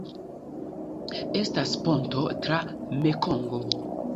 Estas ponto tra Mekongo.